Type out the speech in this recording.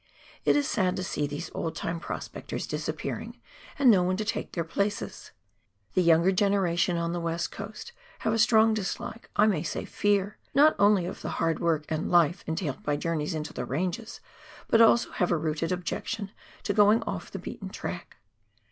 It is sad to see these old time prospectors disappearing, and no one to take their places. The younger generation on the West Coast have a strong dislike — I may say fear — not only of the hard work and life entailed by journeys into the ranges, but also have a rooted objection to going off the beaten track.